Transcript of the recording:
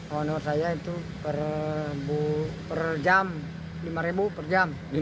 honor saya itu per jam lima per jam